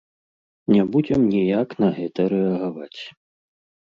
Не будзем ніяк на гэта рэагаваць.